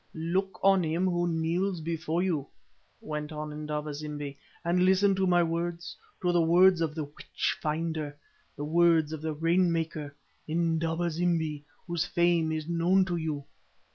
"Look on him who kneels before you," went on Indaba zimbi, "and listen to my words, to the words of the witch finder, the words of the rain maker, Indaba zimbi, whose fame is known to you.